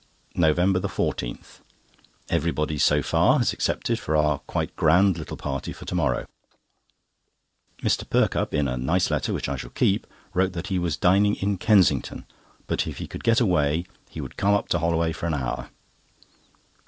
NOVEMBER 14.—Everybody so far has accepted for our quite grand little party for to morrow. Mr. Perkupp, in a nice letter which I shall keep, wrote that he was dining in Kensington, but if he could get away, he would come up to Holloway for an hour.